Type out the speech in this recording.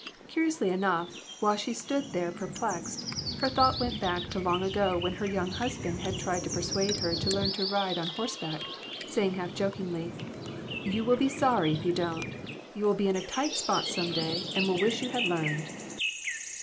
Curiously enough, while she stood there per plexed, her thought went back to long ago when her young husband had tried to persuade her to learn to ride on horseback, saying half jokingly ''You will be sorry if you don't. You will be in a tight spot some day, and will wish you had learned."